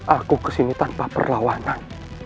aku ke sini tanpa perlawanan